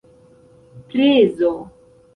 prezo